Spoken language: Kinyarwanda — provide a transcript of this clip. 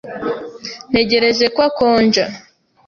Ntegereje ko akonja.